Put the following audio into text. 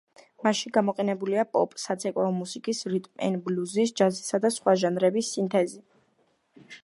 მასში გამოყენებულია პოპ, საცეკვაო მუსიკის, რიტმ ენ ბლუზის, ჯაზისა და სხვა ჟანრების სინთეზი.